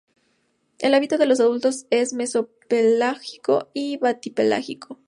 El hábitat de los adultos es mesopelágico a batipelágico.